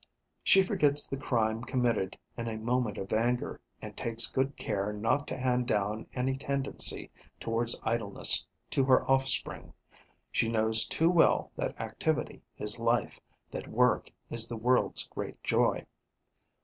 She forgets the crime committed in a moment of anger and takes good care not to hand down any tendency towards idleness to her offspring. She knows too well that activity is life, that work is the world's great joy.